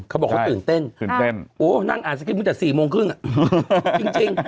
เขาบอกเขาตื่นเต้นตื่นเต้นโอ้นั่งอ่านสคริปตั้งแต่๔โมงครึ่งอ่ะจริง